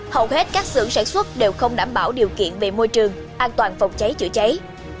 hầu hết các xưởng sản xuất đều không đảm bảo điều kiện về môi trường an toàn phòng cháy chữa cháy